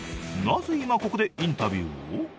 なぜ今ここでインタビューを？